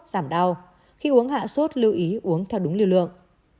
giảm đau khi uống hạ sốt lưu ý uống theo đúng lưu lượng